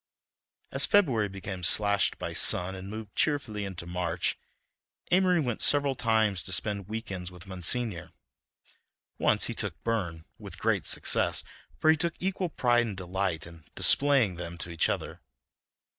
As February became slashed by sun and moved cheerfully into March, Amory went several times to spend week ends with Monsignor; once he took Burne, with great success, for he took equal pride and delight in displaying them to each other.